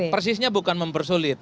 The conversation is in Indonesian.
persisnya bukan mempersulit